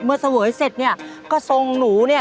เสวยเสร็จเนี่ยก็ทรงหนูเนี่ย